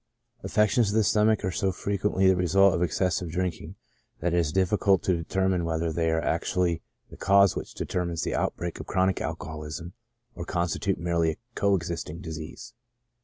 Affections of the stomach are so very frequently the result of excessive drinking, that it is difiicult to determine whether they are actually the cause which determines the outbreak of chronic alcoholism or constitute merely a co existing disease.